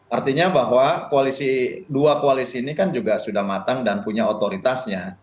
artinya bahwa dua koalisi ini kan juga sudah matang dan punya otoritasnya